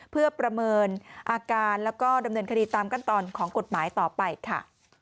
เพื่อประเมินอาการแล้วก็ดำเนินคดีตามขั้นตอนของกฎหมายต่อไปค่ะ